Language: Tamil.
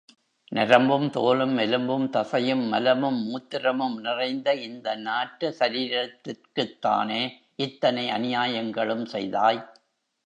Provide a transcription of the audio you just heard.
நரம்பும், தோலும், எலும்பும், தசையும், மலமும், மூத்திரமும் நிறைந்த இந்த நாற்ற சரீரத்திற்குத் தானே இத்தனை அநியாயங்களும் செய்தாய்?